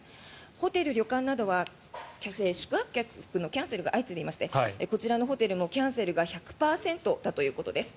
ホテル、旅館などは宿泊客のキャンセルが相次いでいましてこちらのホテルもキャンセルが１００％だということです。